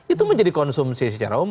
itu menjadi konsumsi secara umum